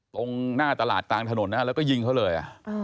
ตรงหน้าตลาดกลางถนนแล้วก็ยิงเขาเลย